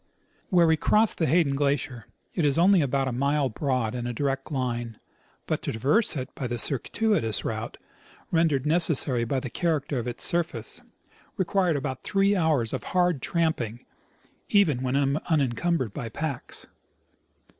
Where we crossed the Hayclen glacier it is only about a mile broad in a direct line ; but to traverse it by the circuitous route rendered necessary by the character of its surface required about three hours of hard tramjjing, even when unincumbered with packs.